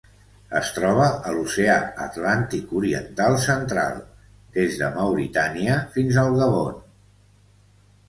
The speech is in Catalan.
Es troba a l'Oceà Atlàntic oriental central: des de Mauritània fins al Gabon.